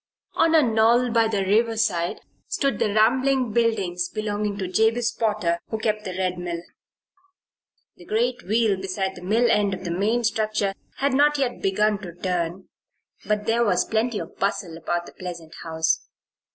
On a knoll by the river side stood the rambling buildings belonging to Jabez Potter, who kept the Red Mill. The great wheel beside the mill end of the main structure had not yet begun to turn, but there was plenty of bustle about the pleasant house.